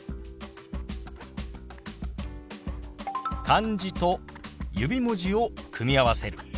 漢字と指文字を組み合わせる。